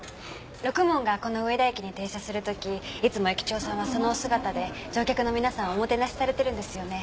ろくもんがこの上田駅に停車する時いつも駅長さんはそのお姿で乗客の皆さんをおもてなしされてるんですよね？